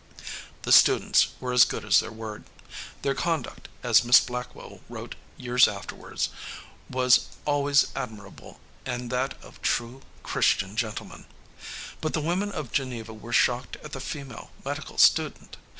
'" The students were as good as their word. Their conduct, as Miss Blackwell wrote years afterward, was always admirable and that of "true Christian gentlemen." But the women of Geneva were shocked at the female medical student.